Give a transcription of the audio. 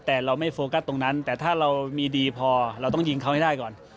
แต่เราไม่โฟกัสตรงนั้นแต่ถ้าเรามีดีพอเราต้องยิงเขาให้ได้ก่อน